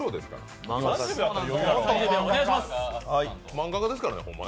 漫画家ですからね、本当に。